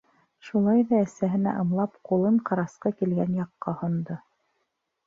Шулай ҙа әсәһенә ымлап ҡулын ҡарасҡы килгән яҡҡа һондо.